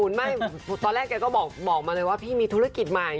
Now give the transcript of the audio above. อุดหนุนตอนแรกแกก็บอกมาเลยว่าพี่มีธุรกิจมา